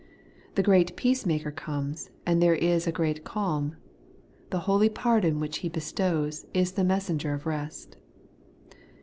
The great Peacemaker comes, and there is a great calm. The holy pardon which He be stows is the messenger of rest.